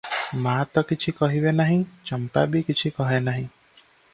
ମା ତ କିଛି କହିବେ ନାହିଁ, ଚମ୍ପା ବି କିଛି କହେ ନାହିଁ ।